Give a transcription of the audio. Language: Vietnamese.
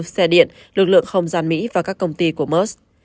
xe điện lực lượng không gian mỹ và các công ty của mers